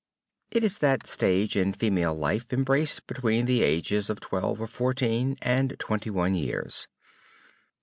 It is that stage in female life embraced between the ages of twelve or fourteen and twenty one years.